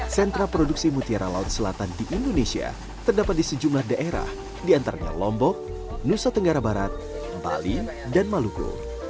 sentra produksi mutiara laut selatan di indonesia terdapat di sejumlah daerah diantaranya lombok nusa tenggara barat bali dan maluku